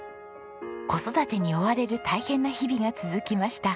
子育てに追われる大変な日々が続きました。